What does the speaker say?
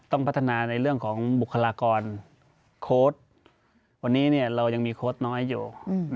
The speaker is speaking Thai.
ต้องพัฒนาในเรื่องของบุคลากรโค้ดวันนี้เรายังมีโค้ดน้อยอยู่